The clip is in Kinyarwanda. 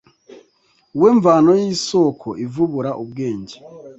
We mvano y’isoko ivubura ubwenge